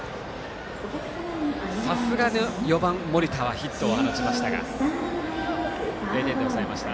さすがの４番、森田はヒットを放ちましたが０点で抑えました。